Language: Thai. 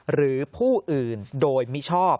หรือผู้อื่นโดยมิชอบ